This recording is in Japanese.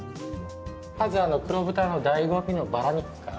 まず黒豚のだいご味のバラ肉から。